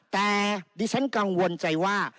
แต่ดิฉันกังวลใจว่า